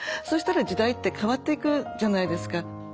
そしたら時代って変わっていくじゃないですか。